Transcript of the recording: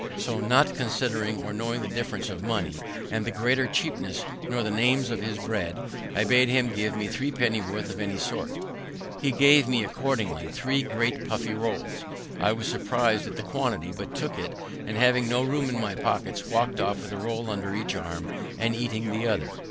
So not considering or knowing the difference of money, and the greater cheapness nor the names of his bread, I bade him give me three penny worth of any sort. He gave me, accordingly, three great puffy rolls. I was surpris'd at the quantity, but took it, and, having no room in my pockets, walk'd off with a roll under each arm, and eating the other.